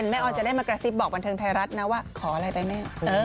ออนจะได้มากระซิบบอกบันเทิงไทยรัฐนะว่าขออะไรไปแม่